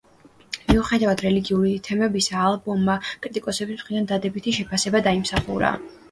მიუხედავად რელიგიური თემებისა, ალბომმა კრიტიკოსების მხრიდან დადებითი შეფასება დაიმსახურა.